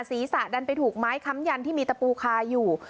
ศีรษะดันไปถูกไม้ค้ำยันที่มีตะปูคาอยู่